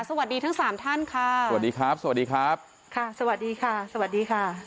สวัสดีทั้งสามท่านค่ะสวัสดีครับสวัสดีครับค่ะสวัสดีค่ะสวัสดีค่ะ